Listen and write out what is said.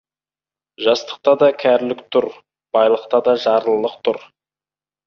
Жастықта да кәрілік тұр, байлықта да жарлылық тұр.